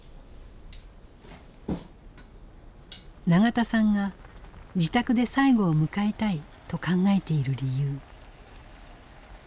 永田さんが自宅で最期を迎えたいと考えている理由。